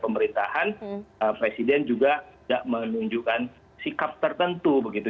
pemerintahan presiden juga tidak menunjukkan sikap tertentu begitu